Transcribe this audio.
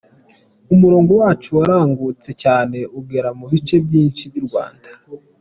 Umurongo wacu waragutse cyane, ugera mu bice byinshi by’u Rwanda.